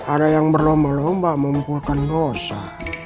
ada yang berlomba lomba mengumpulkan dosa